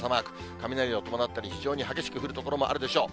雷を伴ったり、非常に激しく降る所もあるでしょう。